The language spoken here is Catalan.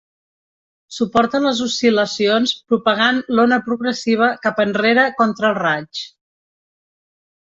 Suporta les oscil·lacions propagant l'ona progressiva cap enrere contra el raig.